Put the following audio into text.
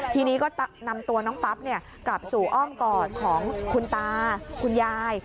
ทีนี้ก็นำตัวน้องปั๊บกลับสู่อ้อมกอดของคุณตาคุณยาย